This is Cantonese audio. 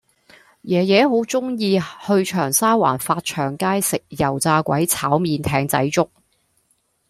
爺爺好鍾意去長沙灣發祥街食油炸鬼炒麵艇仔粥